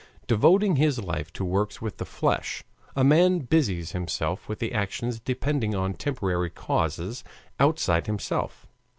Devoting his life to works of the flesh, a man busies himself with actions depending on temporary causes outside himself.